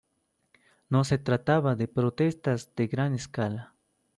No se trataba de protestas de gran escala.